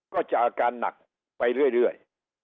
ก็จะอาการหนักไปเรื่อย